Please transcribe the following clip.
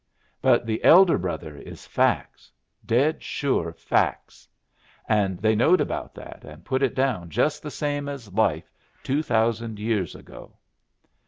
But the elder brother is facts dead sure facts. And they knowed about that, and put it down just the same as life two thousand years ago!"